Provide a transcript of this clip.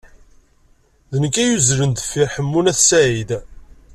D nekk ay yuzzlen deffir Ḥemmu n At Sɛid.